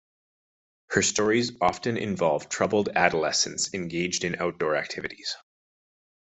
Her stories often involve troubled adolescents engaged in outdoor activities.